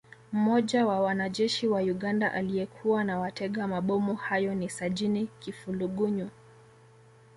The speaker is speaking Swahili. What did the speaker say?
Mmoja wa wanajeshi wa Uganda aliyekuwa na watega mabomu hayo ni Sajini Kifulugunyu